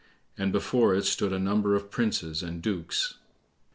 And before it stood a number of princes and dukes.